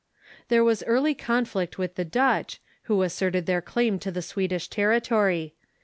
There was early conflict with the Dutch, who asserted their claim to the Swedish territory.